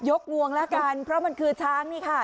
งวงแล้วกันเพราะมันคือช้างนี่ค่ะ